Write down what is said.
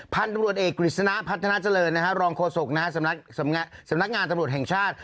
พันธุ์ตำรวจเอกกฤษณะพัฒนาเจริญรองโฆษกสำนักงานตำรวจแห่งชาติ